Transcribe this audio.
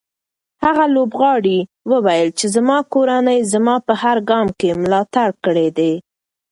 هغه لوبغاړی وویل چې زما کورنۍ زما په هر ګام کې ملاتړ کړی دی.